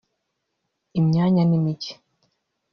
Imyanya ni mike